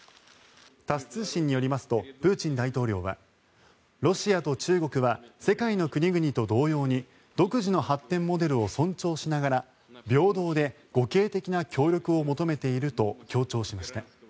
タス通信によりますとプーチン大統領はロシアと中国は世界の国々と同様に独自の発展モデルを尊重しながら平等で互恵的な協力を求めていると強調しました。